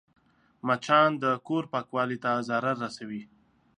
مچان د کور پاکوالي ته ضرر رسوي